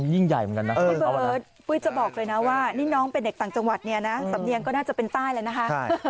พี่เบิร์ตปุ๊ยจะบอกเลยนะว่านี่น้องเป็นเด็กต่างจังหวัดเนี่ยนะศัพท์เนียงก็น่าจะเป็นใต้เลยนะคะ